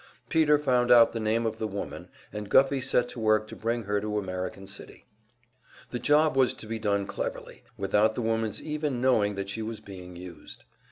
Peter found out the name of the woman, and Guffey set to work to bring her to American City. The job was to be done cleverly, without the woman's even knowing that she was being used.